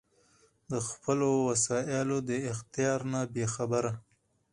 د خپلــــــو وسائیلـــــــو د اختیار نه بې خبره